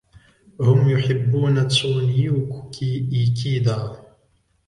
هم يحبون تسونيوكي إيكيدا.